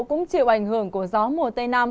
cũng chịu ảnh hưởng của gió mùa tây nam